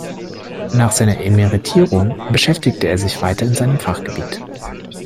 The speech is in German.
Nach seiner Emeritierung beschäftigte er sich weiter in seinem Fachgebiet.